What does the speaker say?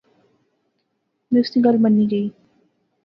ما اس نی گل منی گئی